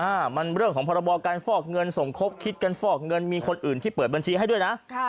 อ่ามันเรื่องของพรบการฟอกเงินสมคบคิดกันฟอกเงินมีคนอื่นที่เปิดบัญชีให้ด้วยนะค่ะ